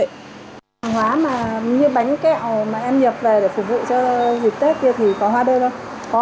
hàng hóa mà như bánh kẹo mà em nhập về để phục vụ cho dịp tết kia thì có hóa đơn thôi